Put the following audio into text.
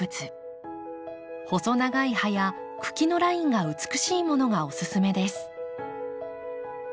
細長い葉や茎のラインが美しいものがおすすめです。